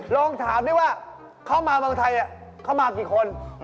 ลองถามดิว่าเข้ามาเมืองไทยเข้ามากี่คน